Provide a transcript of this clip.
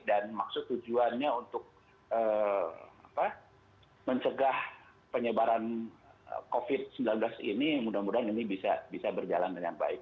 dan maksud tujuannya untuk mencegah penyebaran covid sembilan belas ini mudah mudahan ini bisa berjalan dengan baik